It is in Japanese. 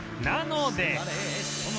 なので